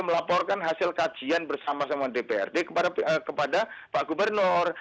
melaporkan hasil kajian bersama sama dprd kepada pak gubernur